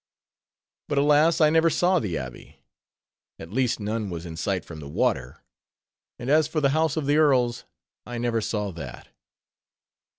But, alas! I never saw the Abbey; at least none was in sight from the water: and as for the house of the earls, I never saw that.